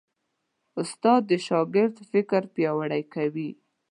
استاد د شاګرد فکر پیاوړی کوي.